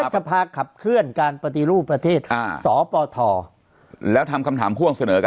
สภาขับเคลื่อนการปฏิรูปประเทศสปทแล้วทำคำถามพ่วงเสนอกัน